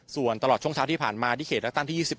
ส่วนตลอดช่วงเช้าที่ผ่านมาที่เขตเลือกตั้งที่๒๑